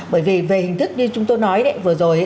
bởi vì về hình thức như chúng tôi nói đấy vừa rồi